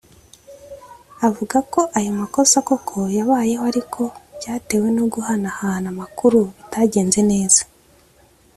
avuga ko ayo makosa koko yabayeho ariko byatewe no guhanahana amakuru bitagenze neza